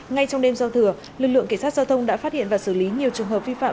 ngay trong đêm giao thừa lực lượng cảnh sát giao thông đã phát hiện và xử lý nhiều trường hợp vi phạm